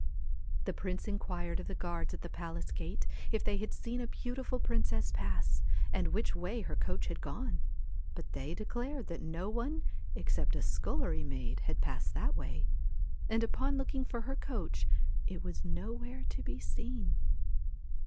The prince inquired of the guards at the palace gate if they had seen a beautiful princess pass, and which way her coach had gone; but they declared that no one except a scullery maid had passed that way ; and upon looking for her coach, it was nowhere to be seen.